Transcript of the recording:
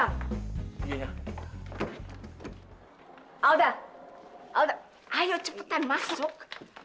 ayo cepetan masuk